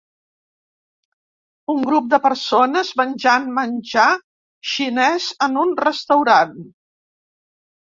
Un grup de persones menjant menjar xinès en un restaurant.